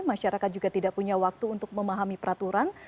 masyarakat juga tidak punya waktu untuk memahami peraturan